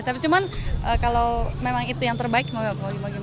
tapi cuman kalau memang itu yang terbaik mau gimana gitu